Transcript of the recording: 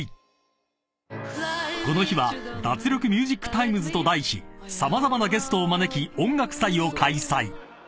［この日は脱力ＭＵＳＩＣＴＩＭＥＳと題し様々なゲストを招き音楽祭を開催］